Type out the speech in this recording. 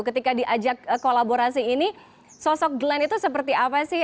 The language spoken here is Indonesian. ketika diajak kolaborasi ini sosok glenn itu seperti apa sih